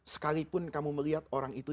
sekalipun kamu melihat orang itu